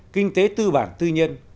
kinh tế tư bản tư nhân